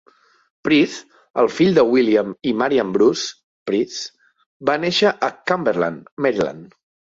Price, el fill de William i Marian Bruce Price, va néixer a Cumberland, Maryland.